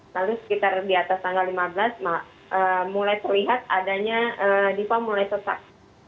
lalu sekitar di atas tanggal lima belas mulai terlihat adanya diva mulai sesak